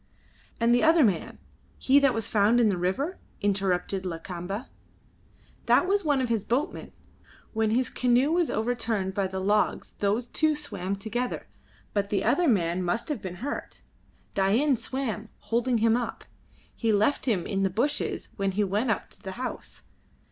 "And the other man, he that was found in the river?" interrupted Lakamba. "That was one of his boatmen. When his canoe was overturned by the logs those two swam together, but the other man must have been hurt. Dain swam, holding him up. He left him in the bushes when he went up to the house.